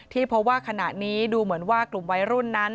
เพราะว่าขณะนี้ดูเหมือนว่ากลุ่มวัยรุ่นนั้น